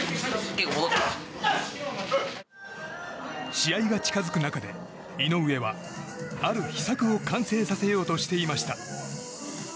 試合が近づく中で、井上はある秘策を完成させようとしていました。